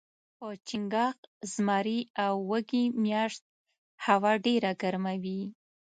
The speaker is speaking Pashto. په چنګاښ ، زمري او وږي میاشت هوا ډیره ګرمه وي